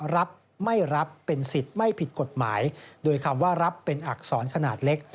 รับไม่รับเป็นสิทธิ์ไม่ผิดกฎหมายโดยคำว่ารับเป็นอักษรขนาดเล็ก